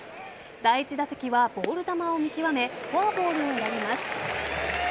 第１打席はボール球を見極めフォアボールを選びます。